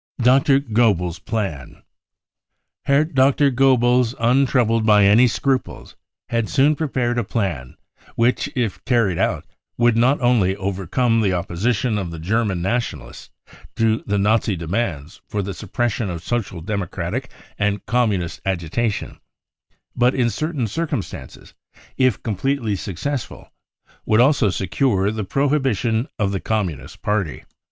Dr. Goebbels 5 Plan. tfc Herr Doctor Goebbels, un troubled by any scruples, had soon prepared a plan which, if carried out, would not only overcome the op position of the German Nationalists to the Nazi demands for the suppression of Social Democratic and Communist agitation, but in certain circumstances, if completely successful, would also secure the prohibition of thef Communist Party.